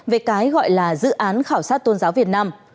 về cái gọi là dự án khảo sát tôn giáo việt nam